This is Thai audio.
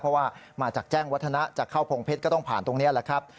เพราะว่ามาจากแจ้งวัฒนะจะเข้าพงเพชรก็ต้องผ่านตรงนี้แหละครับ